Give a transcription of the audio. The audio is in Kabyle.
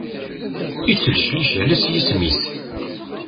Ittlejlij ala s yisem-is.